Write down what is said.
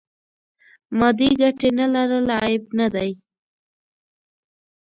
مادې ګټې نه لرل عیب نه دی.